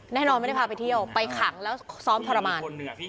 แน่นอนไม่ได้พาไปเที่ยวไปขังแล้วซ้อมทรมาน